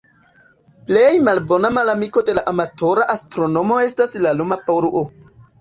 Plej malbona malamiko de la amatora astronomo estas la luma poluo.